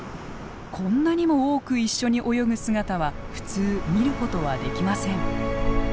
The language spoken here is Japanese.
こんなにも多く一緒に泳ぐ姿は普通見ることはできません。